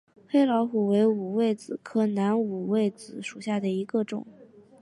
黑老虎为五味子科南五味子属下的一个种。